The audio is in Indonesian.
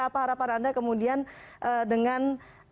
apa harapan anda kemudian dengan